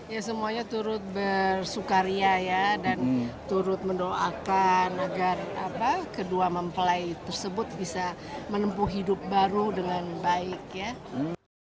ya semuanya turut bersukaria ya dan turut mendoakan agar kedua mempelai tersebut bisa menempuh hidup baru dengan baik ya